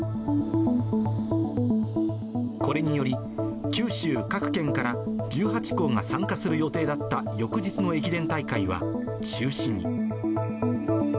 これにより、九州各県から１８校が参加する予定だった翌日の駅伝大会は中止に。